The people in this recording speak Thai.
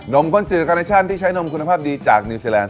มก้นจืดคาเนชั่นที่ใช้นมคุณภาพดีจากนิวซีแลนด